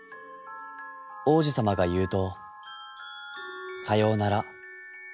王子さまが言うと『さようなら』